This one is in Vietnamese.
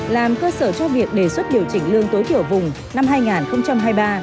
làm cơ sở cho việc đề xuất điều chỉnh lương tối thiểu vùng năm hai nghìn hai mươi ba